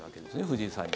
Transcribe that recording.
藤井さんに。